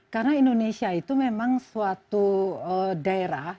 karena indonesia itu memang suatu daerah